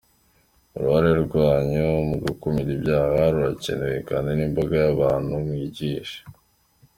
Uruhare rwanyu mu gukumira ibyaha rurakenewe bitewe n’imbaga y’abantu mwigisha.